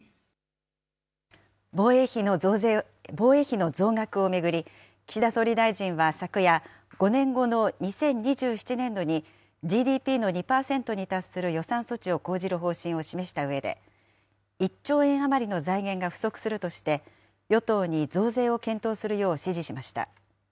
防衛費の増額を巡り、岸田総理大臣は昨夜、５年後の２０２７年度にＧＤＰの２％に達する予算措置を講じる方針を示したうえで、１兆円余りの財源が不足するとして、与党に増税を検討するよう指示しました。